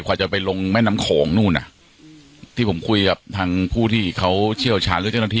จะไปลงแม่น้ำโขงนู่นน่ะที่ผมคุยกับทางผู้ที่เขาเชี่ยวชาญหรือเจ้าหน้าที่